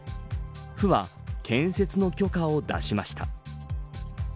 府は、建設の許可を出しました。